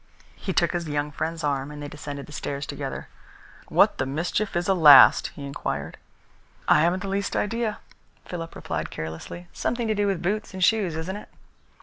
He took his young friend's arm, and they descended the stairs together. "What the mischief is a last?" he inquired. "I haven't the least idea," Philip replied carelessly. "Something to do with boots and shoes, isn't it?"